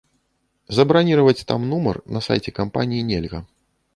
Забраніраваць там нумар на сайце кампаніі нельга.